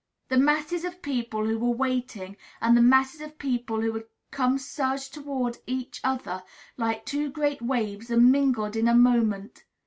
The masses of people who were waiting and the masses of people who had come surged toward each other like two great waves, and mingled in a moment.